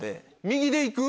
右で行く？